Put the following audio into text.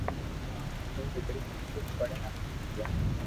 اووي ٻيئي اسڪول پپڙيا ھارين جائي